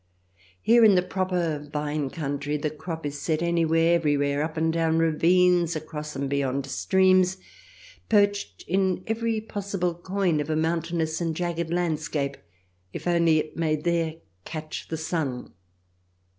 Here, in the proper vine country, the crop is set anywhere, everywhere, up and down ravines, across and beyond streams, perched in every possible coign CH. XXI] "TAKE US THE LITTLE FOXES" 297 of a mountainous and jagged landscape, if only it may there catch the sun.